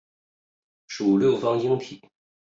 属六方晶系。